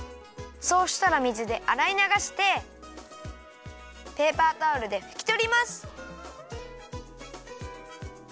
そうしたら水であらいながしてペーパータオルでふきとります。